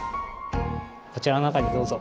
こちらの中にどうぞ。